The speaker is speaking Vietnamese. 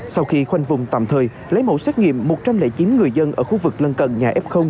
sau khi khoanh vùng tạm thời lấy mẫu xét nghiệm một trăm linh chín người dân ở khu vực lân cận nhà f